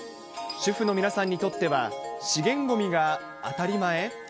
主婦の皆さんにとっては資源ごみが当たり前？